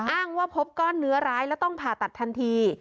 อ้างว่าพบก้อนเนื้อร้ายและต้องผ่าตัดทันที